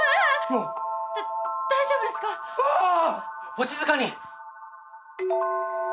お静かに！